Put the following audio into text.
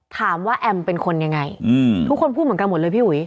แอมเป็นคนยังไงทุกคนพูดเหมือนกันหมดเลยพี่อุ๋ย